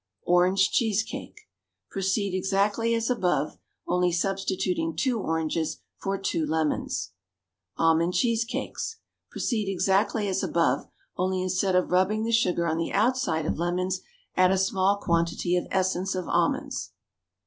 ORANGE CHEESE CAKE. Proceed exactly as above, only substituting two oranges for two lemons. ALMOND CHEESE CAKES. Proceed exactly as above, only instead of rubbing the sugar on the outside of lemons add a small quantity of essence of almonds.